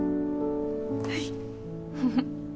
はい！